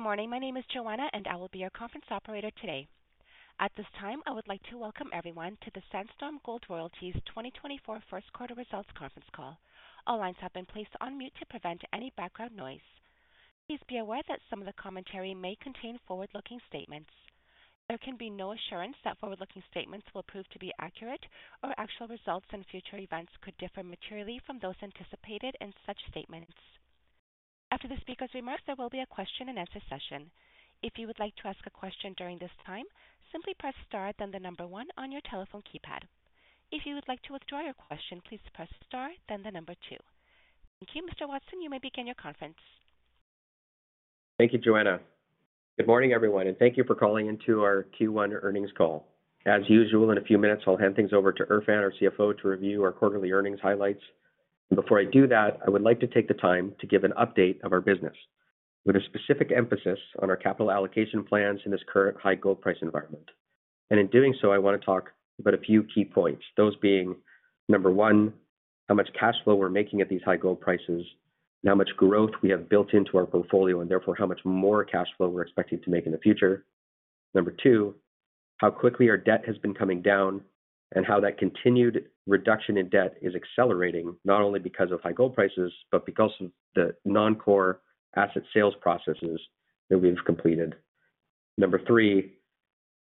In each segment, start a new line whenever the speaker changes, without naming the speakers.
Good morning. My name is Joanna, and I will be your conference operator today. At this time, I would like to welcome everyone to the Sandstorm Gold Royalties 2024 first quarter results conference call. All lines have been placed on mute to prevent any background noise. Please be aware that some of the commentary may contain forward-looking statements. There can be no assurance that forward-looking statements will prove to be accurate, or actual results and future events could differ materially from those anticipated in such statements. After the speaker's remarks, there will be a question-and-answer session. If you would like to ask a question during this time, simply press star, then the number 1 on your telephone keypad. If you would like to withdraw your question, please press star, then the number 2. Thank you. Mr. Watson, you may begin your conference.
Thank you, Joanna. Good morning, everyone, and thank you for calling into our Q1 earnings call. As usual, in a few minutes I'll hand things over to Erfan, our CFO, to review our quarterly earnings highlights. Before I do that, I would like to take the time to give an update of our business with a specific emphasis on our capital allocation plans in this current high gold price environment. In doing so, I want to talk about a few key points, those being: number 1, how much cash flow we're making at these high gold prices, and how much growth we have built into our portfolio and therefore how much more cash flow we're expecting to make in the future. Number 2, how quickly our debt has been coming down and how that continued reduction in debt is accelerating, not only because of high gold prices but because of the non-core asset sales processes that we've completed. Number 3,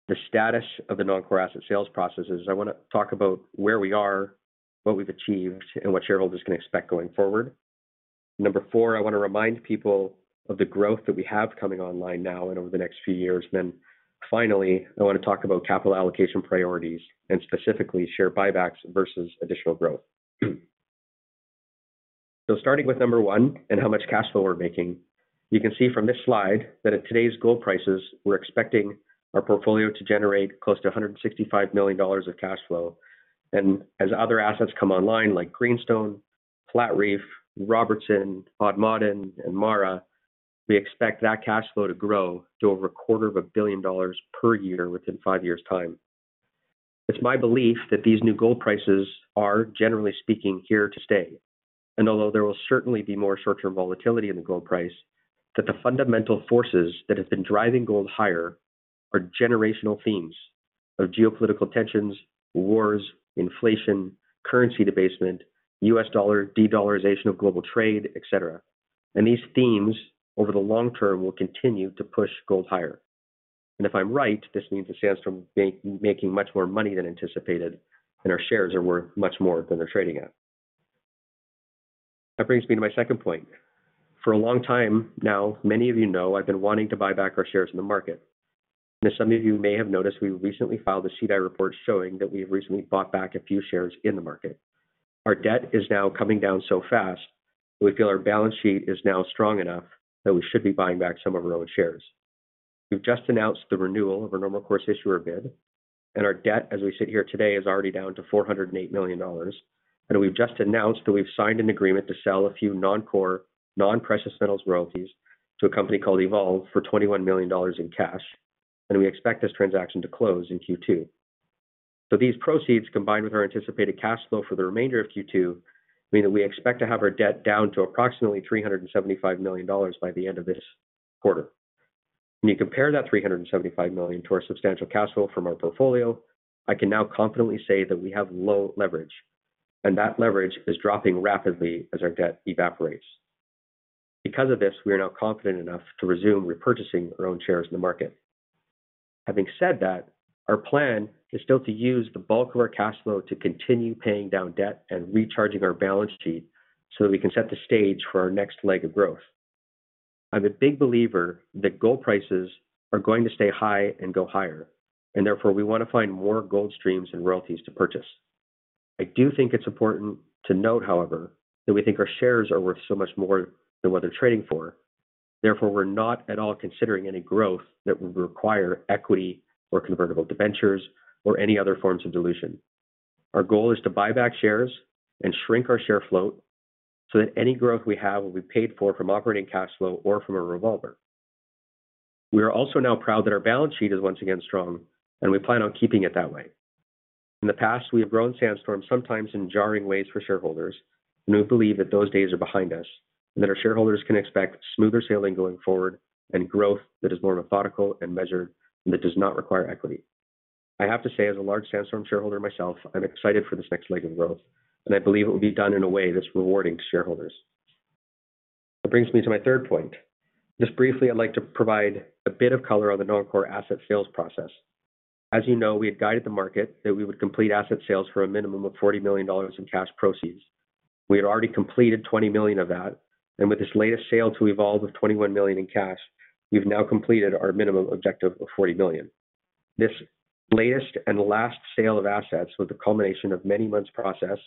the status of the non-core asset sales processes. I want to talk about where we are, what we've achieved, and what shareholders can expect going forward. Number 4, I want to remind people of the growth that we have coming online now and over the next few years. And then finally, I want to talk about capital allocation priorities and specifically share buybacks versus additional growth. So starting with number 1 and how much cash flow we're making, you can see from this slide that at today's gold prices we're expecting our portfolio to generate close to $165 million of cash flow. As other assets come online like Greenstone, Platreef, Robertson, Hod Maden, and MARA, we expect that cash flow to grow to over $250 million per year within five years' time. It's my belief that these new gold prices are, generally speaking, here to stay. And although there will certainly be more short-term volatility in the gold price, that the fundamental forces that have been driving gold higher are generational themes of geopolitical tensions, wars, inflation, currency debasement, U.S. dollar de-dollarization of global trade, etc. And these themes, over the long term, will continue to push gold higher. And if I'm right, this means Sandstorm is making much more money than anticipated, and our shares are worth much more than they're trading at. That brings me to my second point. For a long time now, many of you know I've been wanting to buy back our shares in the market. As some of you may have noticed, we recently filed a SEDI report showing that we have recently bought back a few shares in the market. Our debt is now coming down so fast that we feel our balance sheet is now strong enough that we should be buying back some of our own shares. We've just announced the renewal of our normal course issuer bid, and our debt, as we sit here today, is already down to $408 million. We've just announced that we've signed an agreement to sell a few non-core, non-precious metals royalties to a company called Evolve for $21 million in cash, and we expect this transaction to close in Q2. So these proceeds, combined with our anticipated cash flow for the remainder of Q2, mean that we expect to have our debt down to approximately $375 million by the end of this quarter. When you compare that $375 million to our substantial cash flow from our portfolio, I can now confidently say that we have low leverage, and that leverage is dropping rapidly as our debt evaporates. Because of this, we are now confident enough to resume repurchasing our own shares in the market. Having said that, our plan is still to use the bulk of our cash flow to continue paying down debt and recharging our balance sheet so that we can set the stage for our next leg of growth. I'm a big believer that gold prices are going to stay high and go higher, and therefore we want to find more gold streams and royalties to purchase. I do think it's important to note, however, that we think our shares are worth so much more than what they're trading for. Therefore, we're not at all considering any growth that would require equity or convertible debentures or any other forms of dilution. Our goal is to buy back shares and shrink our share float so that any growth we have will be paid for from operating cash flow or from a revolver. We are also now proud that our balance sheet is once again strong, and we plan on keeping it that way. In the past, we have grown Sandstorm sometimes in jarring ways for shareholders, and we believe that those days are behind us and that our shareholders can expect smoother sailing going forward and growth that is more methodical and measured and that does not require equity. I have to say, as a large Sandstorm shareholder myself, I'm excited for this next leg of growth, and I believe it will be done in a way that's rewarding to shareholders. That brings me to my third point. Just briefly, I'd like to provide a bit of color on the non-core asset sales process. As you know, we had guided the market that we would complete asset sales for a minimum of $40 million in cash proceeds. We had already completed $20 million of that, and with this latest sale to Evolve of $21 million in cash, we've now completed our minimum objective of $40 million. This latest and last sale of assets was the culmination of many months' process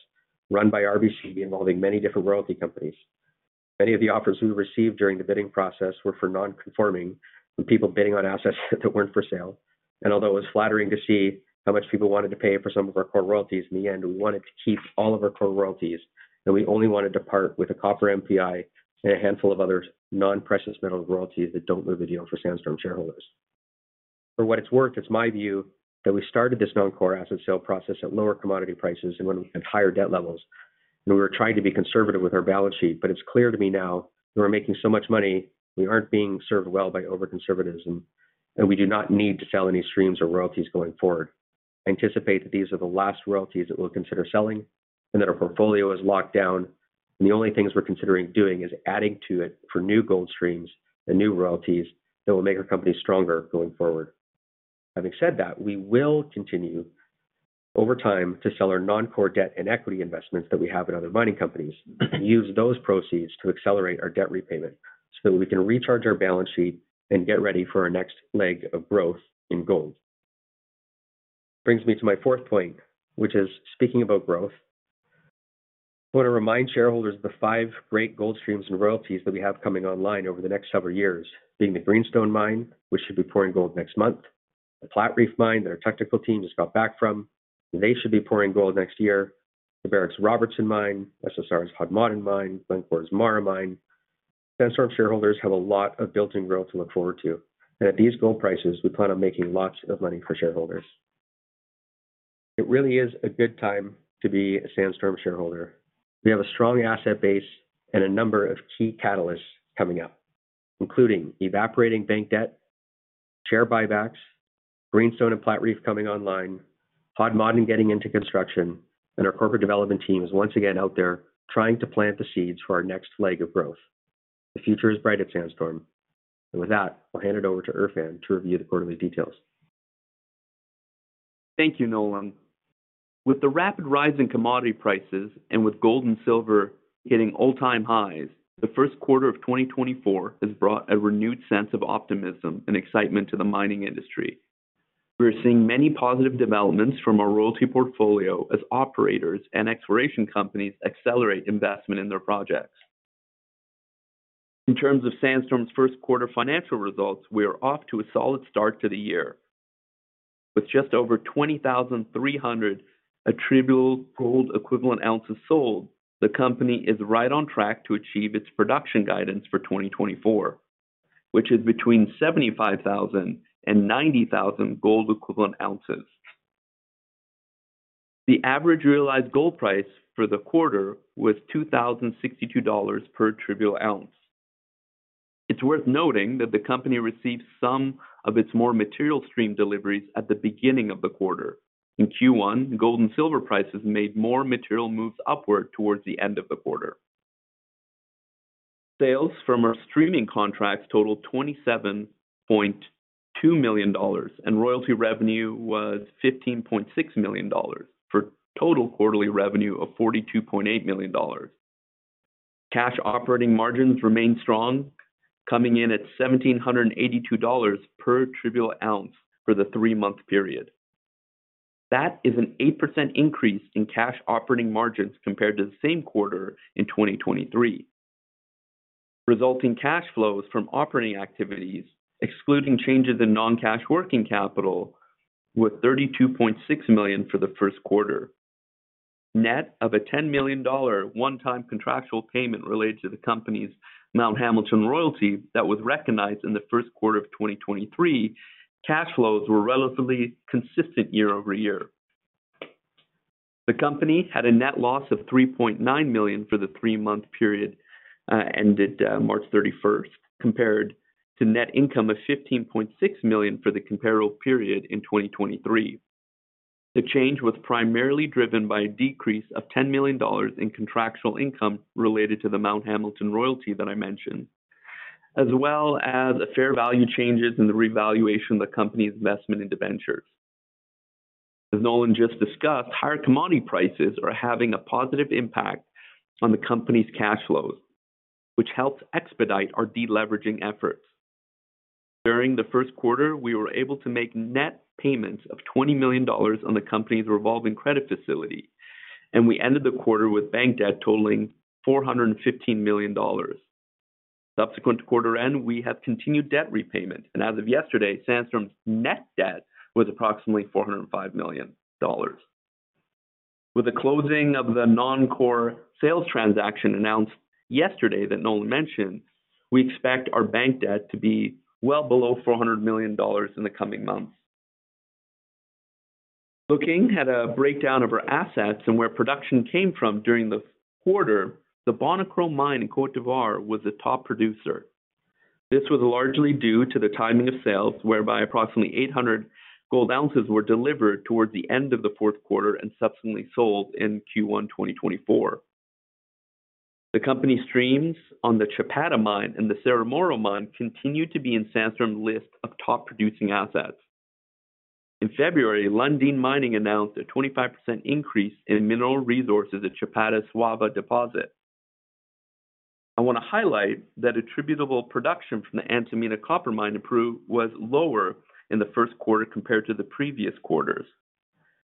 run by RBC involving many different royalty companies. Many of the offers we received during the bidding process were for non-conforming, from people bidding on assets that weren't for sale. Although it was flattering to see how much people wanted to pay for some of our core royalties, in the end, we wanted to keep all of our core royalties, and we only wanted to part with a copper NPI and a handful of other non-precious metal royalties that don't move the deal for Sandstorm shareholders. For what it's worth, it's my view that we started this non-core asset sale process at lower commodity prices and when we had higher debt levels. We were trying to be conservative with our balance sheet, but it's clear to me now that we're making so much money we aren't being served well by over-conservatism, and we do not need to sell any streams or royalties going forward. I anticipate that these are the last royalties that we'll consider selling and that our portfolio is locked down, and the only things we're considering doing is adding to it for new gold streams and new royalties that will make our company stronger going forward. Having said that, we will continue, over time, to sell our non-core debt and equity investments that we have in other mining companies and use those proceeds to accelerate our debt repayment so that we can recharge our balance sheet and get ready for our next leg of growth in gold. That brings me to my fourth point, which is speaking about growth. I want to remind shareholders of the five great gold streams and royalties that we have coming online over the next several years, being the Greenstone mine, which should be pouring gold next month; the Platreef mine that our tactical team just got back from. They should be pouring gold next year; the Barrick's Robertson mine; SSR's Hod Maden mine; Glencore's MARA mine. Sandstorm shareholders have a lot of built-in growth to look forward to, and at these gold prices, we plan on making lots of money for shareholders. It really is a good time to be a Sandstorm shareholder. We have a strong asset base and a number of key catalysts coming up, including evaporating bank debt, share buybacks, Greenstone and Platreef coming online, Hod Maden getting into construction, and our corporate development team is once again out there trying to plant the seeds for our next leg of growth. The future is bright at Sandstorm. With that, I'll hand it over to Erfan to review the quarterly details.
Thank you, Nolan. With the rapid rise in commodity prices and with gold and silver hitting all-time highs, the first quarter of 2024 has brought a renewed sense of optimism and excitement to the mining industry. We are seeing many positive developments from our royalty portfolio as operators and exploration companies accelerate investment in their projects. In terms of Sandstorm's first quarter financial results, we are off to a solid start to the year. With just over 20,300 attributable gold equivalent ounces sold, the company is right on track to achieve its production guidance for 2024, which is between 75,000 and 90,000 gold equivalent ounces. The average realized gold price for the quarter was $2,062 per troy ounce. It's worth noting that the company received some of its more material stream deliveries at the beginning of the quarter. In Q1, gold and silver prices made more material moves upward towards the end of the quarter. Sales from our streaming contracts totaled $27.2 million, and royalty revenue was $15.6 million, for total quarterly revenue of $42.8 million. Cash operating margins remained strong, coming in at $1,782 per GEO for the three-month period. That is an 8% increase in cash operating margins compared to the same quarter in 2023. Resulting cash flows from operating activities, excluding changes in non-cash working capital, were $32.6 million for the first quarter. Net of a $10 million one-time contractual payment related to the company's Mount Hamilton royalty that was recognized in the first quarter of 2023, cash flows were relatively consistent year-over-year. The company had a net loss of $3.9 million for the three-month period ended March 31st, compared to net income of $15.6 million for the comparable period in 2023. The change was primarily driven by a decrease of $10 million in contractual income related to the Mount Hamilton royalty that I mentioned, as well as fair value changes in the revaluation of the company's investment in debentures. As Nolan just discussed, higher commodity prices are having a positive impact on the company's cash flows, which helps expedite our de-leveraging efforts. During the first quarter, we were able to make net payments of $20 million on the company's revolving credit facility, and we ended the quarter with bank debt totaling $415 million. Subsequent to quarter end, we have continued debt repayment, and as of yesterday, Sandstorm's net debt was approximately $405 million. With the closing of the non-core sales transaction announced yesterday that Nolan mentioned, we expect our bank debt to be well below $400 million in the coming months. Looking at a breakdown of our assets and where production came from during the quarter, the Bonikro mine in Côte d'Ivoire was the top producer. This was largely due to the timing of sales, whereby approximately 800 gold ounces were delivered towards the end of the fourth quarter and subsequently sold in Q1 2024. The company's streams on the Chapada mine and the Cerro Moro mine continue to be in Sandstorm's list of top-producing assets. In February, Lundin Mining announced a 25% increase in mineral resources at Chapada Saúva deposit. I want to highlight that attributable production from the Antamina copper mine in Peru was lower in the first quarter compared to the previous quarters.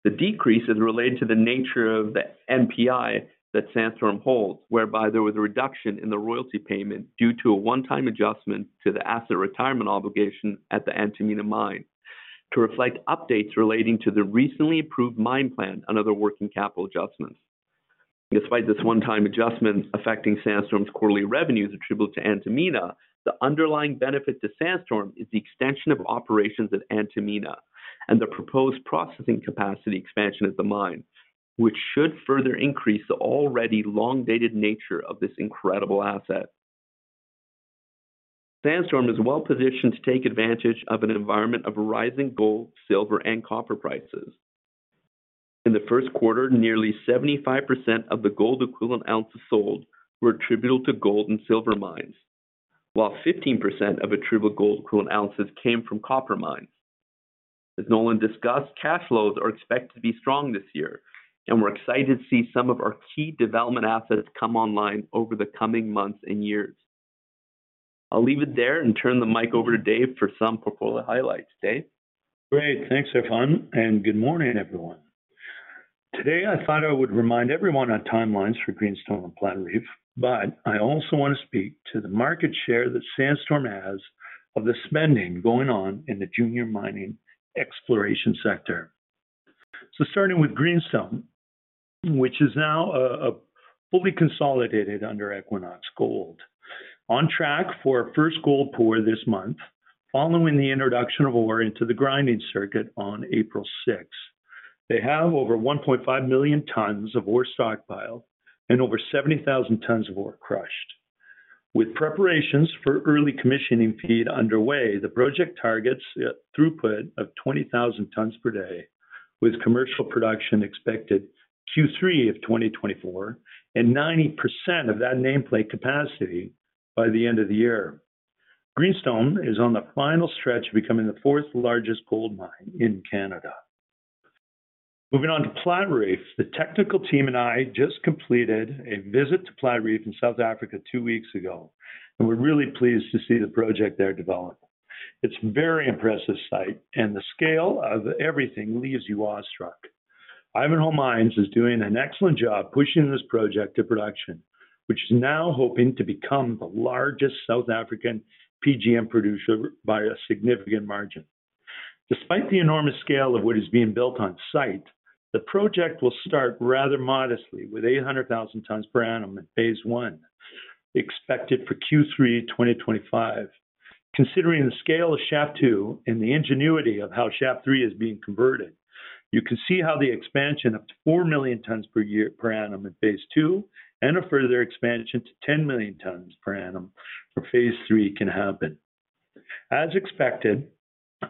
The decrease is related to the nature of the NPI that Sandstorm holds, whereby there was a reduction in the royalty payment due to a one-time adjustment to the asset retirement obligation at the Antamina Mine, to reflect updates relating to the recently approved mine plan and other working capital adjustments. Despite this one-time adjustment affecting Sandstorm's quarterly revenues attributed to Antamina, the underlying benefit to Sandstorm is the extension of operations at Antamina and the proposed processing capacity expansion at the mine, which should further increase the already long-dated nature of this incredible asset. Sandstorm is well positioned to take advantage of an environment of rising gold, silver, and copper prices. In the first quarter, nearly 75% of the gold equivalent ounces sold were attributable to gold and silver mines, while 15% of attributable gold equivalent ounces came from copper mines. As Nolan discussed, cash flows are expected to be strong this year, and we're excited to see some of our key development assets come online over the coming months and years. I'll leave it there and turn the mic over to Dave for some portfolio highlights. Dave?
Great. Thanks, Erfan, and good morning, everyone. Today, I thought I would remind everyone on timelines for Greenstone and Platreef, but I also want to speak to the market share that Sandstorm has of the spending going on in the junior mining exploration sector. Starting with Greenstone, which is now fully consolidated under Equinox Gold, on track for our first gold pour this month following the introduction of ore into the grinding circuit on April 6th. They have over 1.5 million tons of ore stockpile and over 70,000 tons of ore crushed. With preparations for early commissioning feed underway, the project targets a throughput of 20,000 tons per day, with commercial production expected Q3 of 2024 and 90% of that nameplate capacity by the end of the year. Greenstone is on the final stretch of becoming the fourth-largest gold mine in Canada. Moving on to Platreef, the technical team and I just completed a visit to Platreef in South Africa two weeks ago, and we're really pleased to see the project there develop. It's a very impressive site, and the scale of everything leaves you awestruck. Ivanhoe Mines is doing an excellent job pushing this project to production, which is now hoping to become the largest South African PGM producer by a significant margin. Despite the enormous scale of what is being built on site, the project will start rather modestly with 800,000 tons per annum in phase one, expected for Q3 2025. Considering the scale of Shaft 2 and the ingenuity of how Shaft 3 is being converted, you can see how the expansion of 4,000,000 tons per annum in phase two and a further expansion to 10,000,000 tons per annum for phase three can happen. As expected,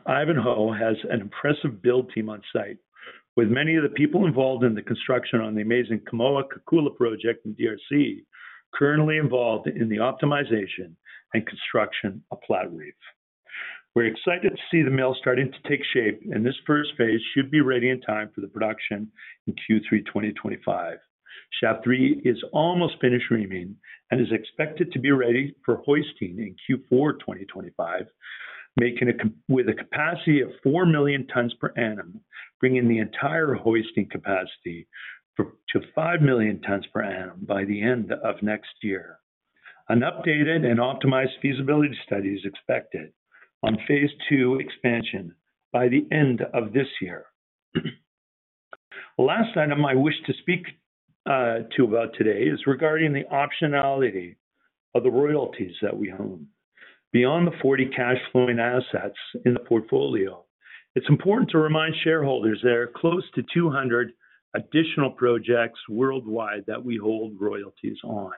Ivanhoe has an impressive build team on site, with many of the people involved in the construction on the amazing Kamoa-Kakula project in DRC currently involved in the optimization and construction of Platreef. We're excited to see the mill starting to take shape, and this first phase should be ready in time for the production in Q3 2025. Shaft 3 is almost finished reaming and is expected to be ready for hoisting in Q4 2025, with a capacity of 4 million tons per annum, bringing the entire hoisting capacity to 5 million tons per annum by the end of next year. An updated and optimized feasibility study is expected on phase two expansion by the end of this year. The last item I wish to speak to about today is regarding the optionality of the royalties that we own. Beyond the 40 cash-flowing assets in the portfolio, it's important to remind shareholders there are close to 200 additional projects worldwide that we hold royalties on.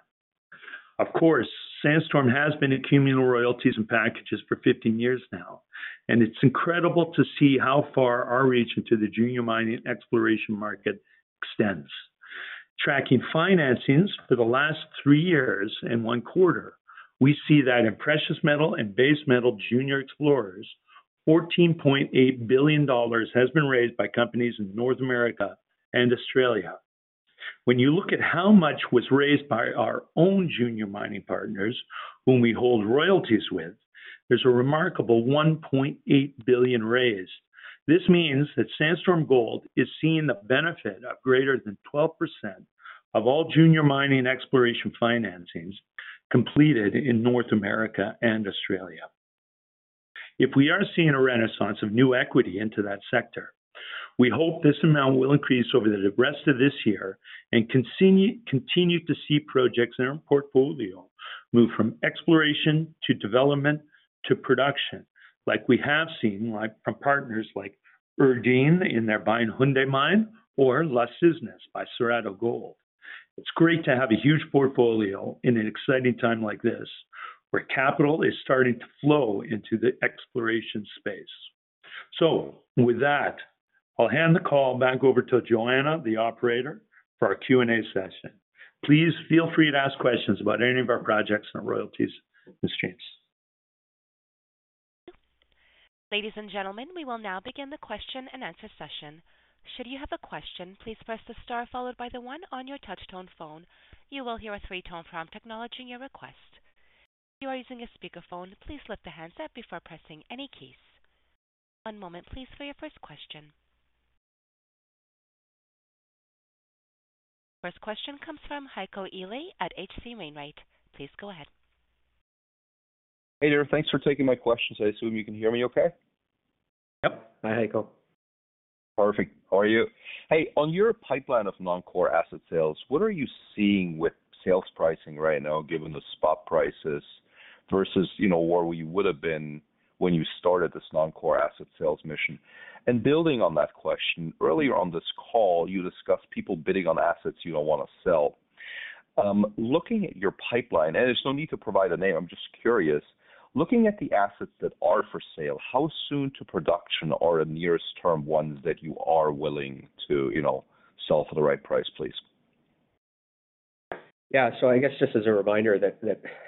Of course, Sandstorm has been accumulating royalties and packages for 15 years now, and it's incredible to see how far our reach into the junior mining exploration market extends. Tracking financings for the last three years and one quarter, we see that in precious metal and base metal junior explorers, $14.8 billion has been raised by companies in North America and Australia. When you look at how much was raised by our own junior mining partners whom we hold royalties with, there's a remarkable $1.8 billion raised. This means that Sandstorm Gold is seeing the benefit of greater than 12% of all junior mining exploration financings completed in North America and Australia. If we are seeing a renaissance of new equity into that sector, we hope this amount will increase over the rest of this year and continue to see projects in our portfolio move from exploration to development to production, like we have seen from partners like Erdene in their Bayan Khundii mine or Los Cisnes by Cerrado Gold. It's great to have a huge portfolio in an exciting time like this, where capital is starting to flow into the exploration space. So with that, I'll hand the call back over to Joanna, the operator, for our Q&A session. Please feel free to ask questions about any of our projects and royalties and streams.
Ladies and gentlemen, we will now begin the question-and-answer session. Should you have a question, please press the star followed by the 1 on your touchtone phone. You will hear a three-tone prompt acknowledging your request. If you are using a speakerphone, please lift the handset before pressing any keys. One moment, please, for your first question. First question comes from Heiko Ihle at H.C. Wainwright. Please go ahead.
Hey there. Thanks for taking my questions. I assume you can hear me okay?
Yep. Hi, Heiko.
Perfect. How are you? Hey, on your pipeline of non-core asset sales, what are you seeing with sales pricing right now, given the spot prices, versus where you would have been when you started this non-core asset sales mission? And building on that question, earlier on this call, you discussed people bidding on assets you don't want to sell. Looking at your pipeline and there's no need to provide a name. I'm just curious. Looking at the assets that are for sale, how soon to production are the nearest-term ones that you are willing to sell for the right price place?
Yeah. So I guess just as a reminder that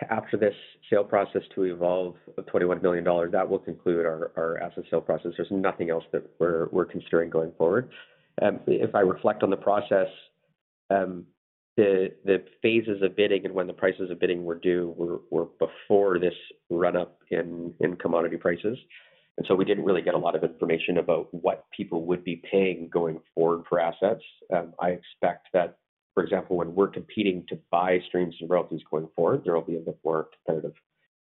after this sale process to Evolve of $21 million, that will conclude our asset sale process. There's nothing else that we're considering going forward. If I reflect on the process, the phases of bidding and when the prices of bidding were due were before this run-up in commodity prices. And so we didn't really get a lot of information about what people would be paying going forward for assets. I expect that, for example, when we're competing to buy streams and royalties going forward, there will be a bit more competitive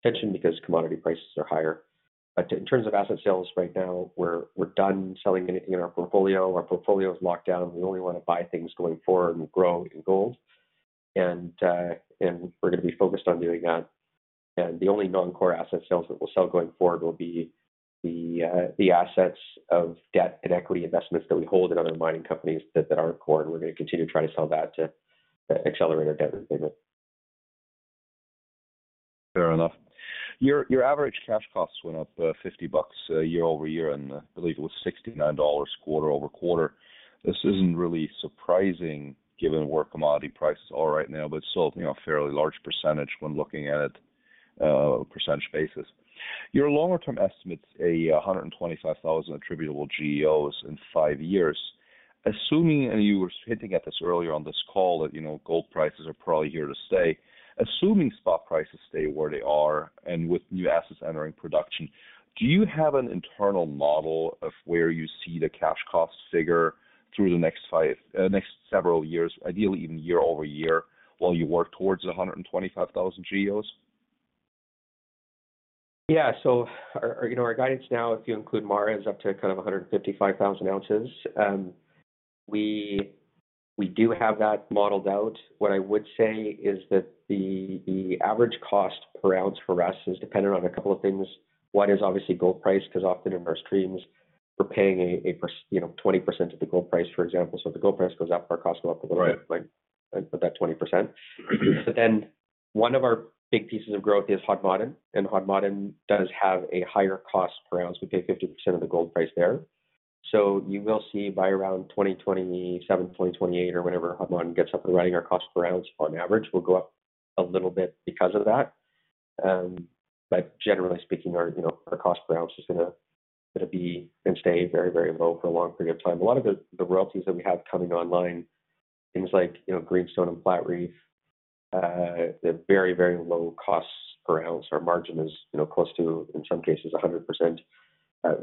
tension because commodity prices are higher. But in terms of asset sales right now, we're done selling anything in our portfolio. Our portfolio is locked down. We only want to buy things going forward and grow in gold. And we're going to be focused on doing that. The only non-core asset sales that we'll sell going forward will be the assets of debt and equity investments that we hold in other mining companies that aren't core. We're going to continue to try to sell that to accelerate our debt repayment.
Fair enough. Your average cash costs went up $50 year-over-year, and I believe it was $69 quarter-over-quarter. This isn't really surprising given where commodity prices are right now, but it's still a fairly large percentage when looking at it on a percentage basis. Your longer-term estimate's a 125,000 attributable GEOs in 5 years. Assuming and you were hinting at this earlier on this call that gold prices are probably here to stay. Assuming spot prices stay where they are and with new assets entering production, do you have an internal model of where you see the cash cost figure through the next several years, ideally even year-over-year, while you work towards 125,000 GEOs?
Yeah. So our guidance now, if you include MARA, is up to kind of 155,000 ounces. We do have that modeled out. What I would say is that the average cost per ounce for us is dependent on a couple of things. One is obviously gold price because often in our streams, we're paying 20% of the gold price, for example. So if the gold price goes up, our costs go up a little bit of that 20%. But then one of our big pieces of growth is Hod Maden. And Hod Maden does have a higher cost per ounce. We pay 50% of the gold price there. So you will see by around 2027, 2028, or whenever Hod Maden gets up and running, our cost per ounce on average will go up a little bit because of that. But generally speaking, our cost per ounce is going to be and stay very, very low for a long period of time. A lot of the royalties that we have coming online, things like Greenstone and Platreef, they're very, very low costs per ounce. Our margin is close to, in some cases, 100%.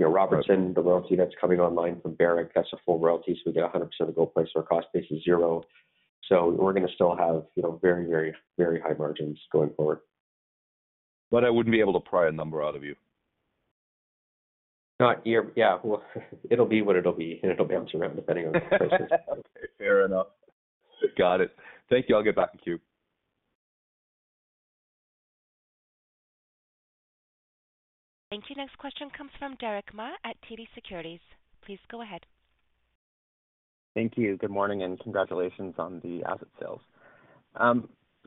Robertson, the royalty that's coming online from Barrick, that's a full royalty. So we get 100% of the gold price. Our cost base is zero. So we're going to still have very, very, very high margins going forward.
But I wouldn't be able to pry a number out of you.
Yeah. Well, it'll be what it'll be, and it'll bounce around depending on the prices.
Okay. Fair enough. Got it. Thank you. I'll get back to you.
Thank you. Next question comes from Derick Ma at TD Securities. Please go ahead.
Thank you. Good morning and congratulations on the asset sales.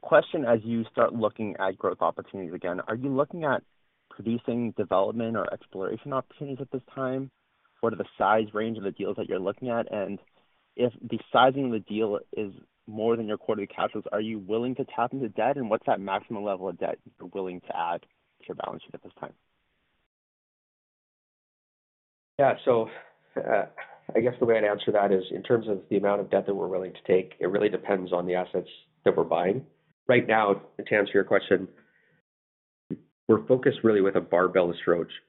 Question: As you start looking at growth opportunities again, are you looking at producing development or exploration opportunities at this time? What are the size range of the deals that you're looking at? And if the sizing of the deal is more than your quarterly cash flows, are you willing to tap into debt, and what's that maximum level of debt you're willing to add to your balance sheet at this time?
Yeah. So I guess the way I'd answer that is in terms of the amount of debt that we're willing to take, it really depends on the assets that we're buying. Right now, to answer your question, we're focused really with a barbell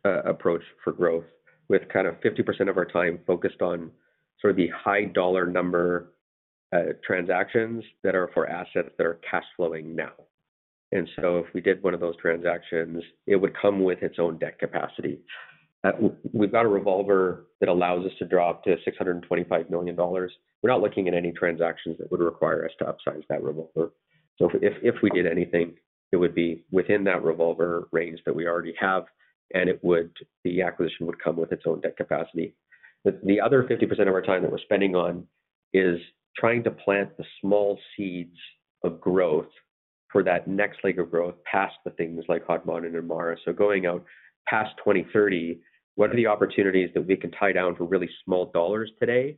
approach for growth, with kind of 50% of our time focused on sort of the high-dollar number transactions that are for assets that are cash-flowing now. So if we did one of those transactions, it would come with its own debt capacity. We've got a revolver that allows us to drop to $625 million. We're not looking at any transactions that would require us to upsize that revolver. So if we did anything, it would be within that revolver range that we already have, and the acquisition would come with its own debt capacity. The other 50% of our time that we're spending on is trying to plant the small seeds of growth for that next leg of growth past the things like Hod Maden and MARA. So going out past 2030, what are the opportunities that we can tie down for really small dollars today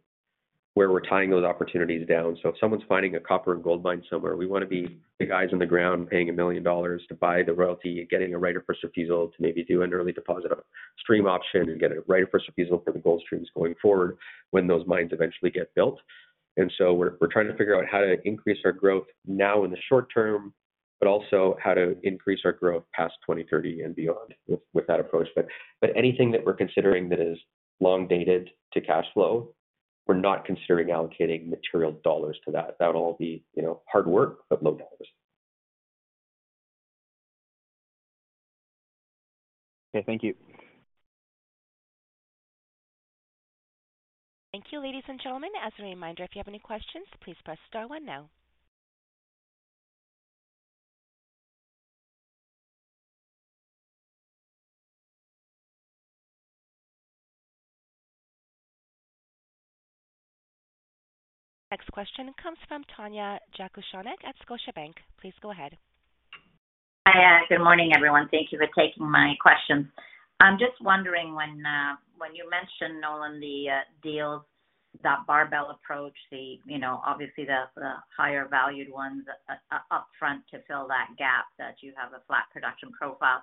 where we're tying those opportunities down? So if someone's finding a copper and gold mine somewhere, we want to be the guys on the ground paying $1 million to buy the royalty, getting a right of first refusal to maybe do an early deposit or stream option, and get a right of first refusal for the gold streams going forward when those mines eventually get built. And so we're trying to figure out how to increase our growth now in the short term, but also how to increase our growth past 2030 and beyond with that approach. But anything that we're considering that is long-dated to cash flow, we're not considering allocating material dollars to that. That would all be hard work, but low dollars.
Okay. Thank you.
Thank you, ladies and gentlemen. As a reminder, if you have any questions, please press star one now. Next question comes from Tanya Jakusconek at Scotiabank. Please go ahead.
Hi. Good morning, everyone. Thank you for taking my questions. I'm just wondering, when you mentioned, Nolan, the deals, that barbell approach, obviously the higher-valued ones upfront to fill that gap that you have a flat production profile.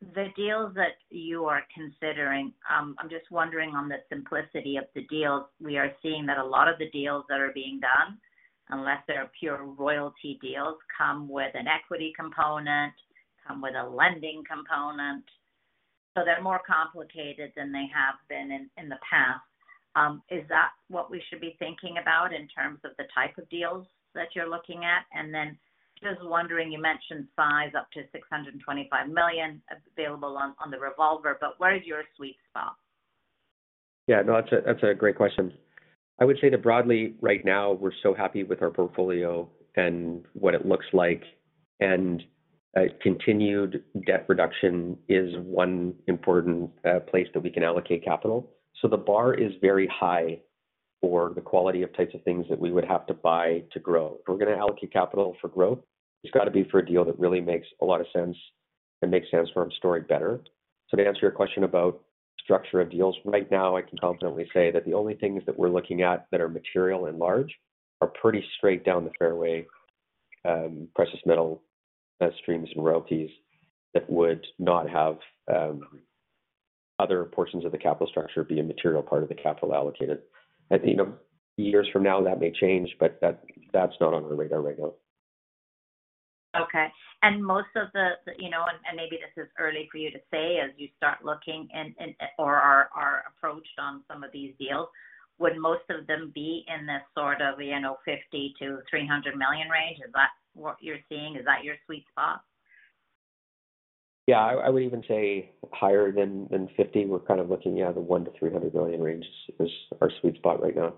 The deals that you are considering, I'm just wondering on the simplicity of the deals. We are seeing that a lot of the deals that are being done, unless they're pure royalty deals, come with an equity component, come with a lending component. So they're more complicated than they have been in the past. Is that what we should be thinking about in terms of the type of deals that you're looking at? And then just wondering, you mentioned size up to $625 million available on the revolver, but where is your sweet spot?
Yeah. No, that's a great question. I would say that broadly, right now, we're so happy with our portfolio and what it looks like. And continued debt reduction is one important place that we can allocate capital. So the bar is very high for the quality of types of things that we would have to buy to grow. If we're going to allocate capital for growth, it's got to be for a deal that really makes a lot of sense and makes sense for our story better. So to answer your question about structure of deals, right now, I can confidently say that the only things that we're looking at that are material and large are pretty straight down the fairway precious metal streams and royalties that would not have other portions of the capital structure be a material part of the capital allocated. I think years from now, that may change, but that's not on our radar right now.
Okay. And most of them and maybe this is early for you to say as you start looking or are approached on some of these deals. Would most of them be in this sort of $50 million-$300 million range? Is that what you're seeing? Is that your sweet spot?
Yeah. I would even say higher than 50. We're kind of looking at the $1 million-$300 million range is our sweet spot right now.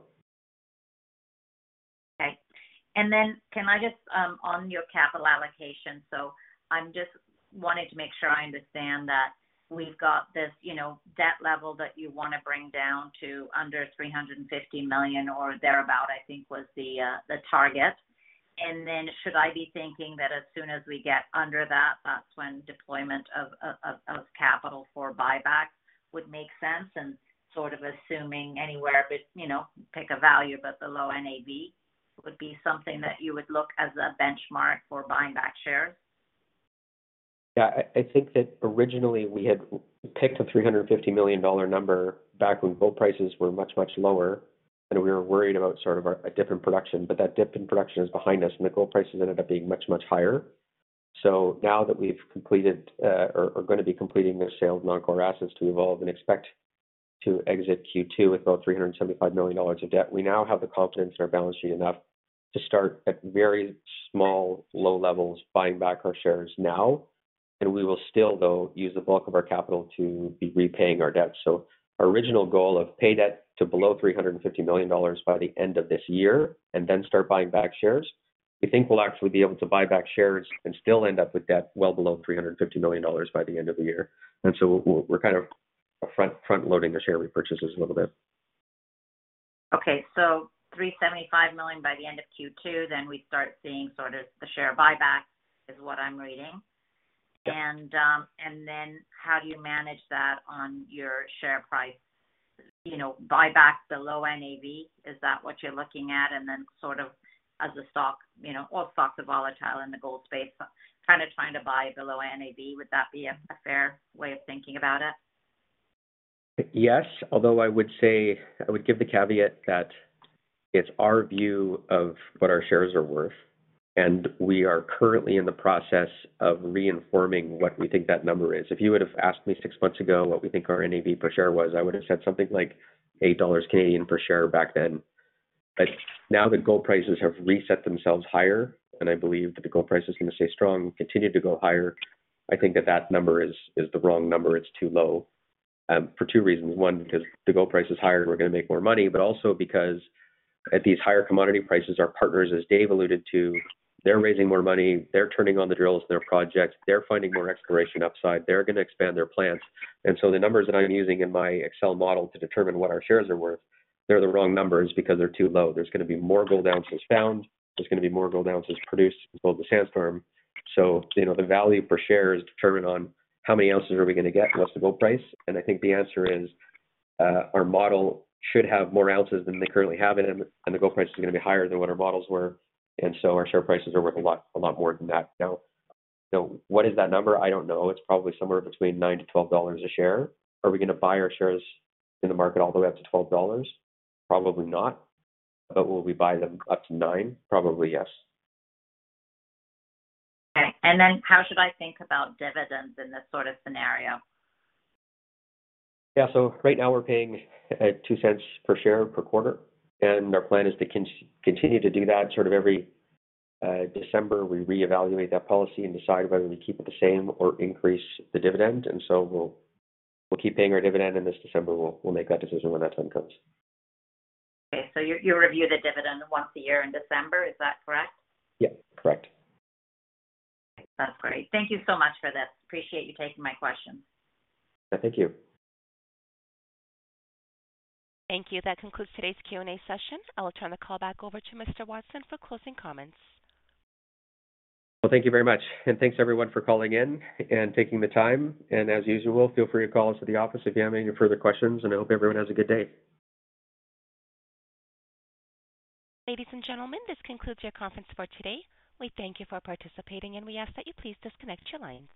Okay. And then can I just on your capital allocation? So I just wanted to make sure I understand that we've got this debt level that you want to bring down to under $350 million or thereabout, I think, was the target. And then should I be thinking that as soon as we get under that, that's when deployment of capital for buyback would make sense? And sort of assuming anywhere, but pick a value, but the low NAV would be something that you would look as a benchmark for buying back shares?
Yeah. I think that originally, we had picked a $350 million number back when gold prices were much, much lower, and we were worried about sort of a dip in production. But that dip in production is behind us, and the gold prices ended up being much, much higher. So now that we've completed or are going to be completing this sale of non-core assets to Evolve and expect to exit Q2 with about $375 million of debt, we now have the confidence in our balance sheet enough to start at very small, low levels buying back our shares now. And we will still, though, use the bulk of our capital to be repaying our debt. Our original goal of pay debt to below $350 million by the end of this year and then start buying back shares, we think we'll actually be able to buy back shares and still end up with debt well below $350 million by the end of the year. So we're kind of front-loading the share repurchases a little bit.
Okay. So $375 million by the end of Q2, then we start seeing sort of the share buyback is what I'm reading. And then how do you manage that on your share price? Buyback below NAV, is that what you're looking at? And then sort of as a stock all stocks are volatile in the gold space, kind of trying to buy below NAV, would that be a fair way of thinking about it?
Yes. Although I would give the caveat that it's our view of what our shares are worth. And we are currently in the process of reinforming what we think that number is. If you would have asked me six months ago what we think our NAV per share was, I would have said something like 8 Canadian dollars per share back then. But now that gold prices have reset themselves higher, and I believe that the gold price is going to stay strong, continue to go higher, I think that that number is the wrong number. It's too low for two reasons. One, because the gold price is higher, we're going to make more money, but also because at these higher commodity prices, our partners, as Dave alluded to, they're raising more money. They're turning on the drills in their projects. They're finding more exploration upside. They're going to expand their plants. So the numbers that I'm using in my Excel model to determine what our shares are worth, they're the wrong numbers because they're too low. There's going to be more gold ounces found. There's going to be more gold ounces produced as well as the Sandstorm. So the value per share is determined on how many ounces are we going to get and what's the gold price. And I think the answer is our model should have more ounces than they currently have in them, and the gold price is going to be higher than what our models were. And so our share prices are worth a lot more than that. Now, what is that number? I don't know. It's probably somewhere between $9-$12 a share. Are we going to buy our shares in the market all the way up to $12? Probably not. But will we buy them up to $9? Probably, yes.
Okay. How should I think about dividends in this sort of scenario?
Yeah. So right now, we're paying $0.02 per share per quarter. Our plan is to continue to do that. Sort of every December, we reevaluate that policy and decide whether we keep it the same or increase the dividend. We'll keep paying our dividend, and this December, we'll make that decision when that time comes.
Okay. You review the dividend once a year in December. Is that correct?
Yeah. Correct.
Okay. That's great. Thank you so much for this. Appreciate you taking my questions.
Yeah. Thank you.
Thank you. That concludes today's Q&A session. I'll turn the call back over to Mr. Watson for closing comments.
Well, thank you very much. And thanks, everyone, for calling in and taking the time. And I hope everyone has a good day.
Ladies and gentlemen, this concludes your conference for today. We thank you for participating, and we ask that you please disconnect your lines.